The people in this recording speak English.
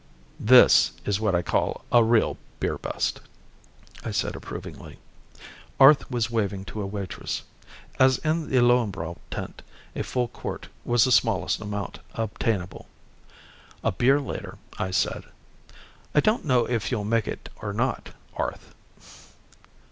"This is what I call a real beer bust," I said approvingly. Arth was waving to a waitress. As in the Löwenbräu tent, a full quart was the smallest amount obtainable. A beer later I said, "I don't know if you'll make it or not, Arth."